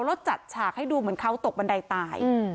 แล้วจัดฉากให้ดูเหมือนเขาตกบันไดตาย